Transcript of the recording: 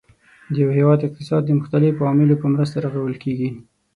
د یو هیواد اقتصاد د مختلفو عواملو په مرسته رغول کیږي.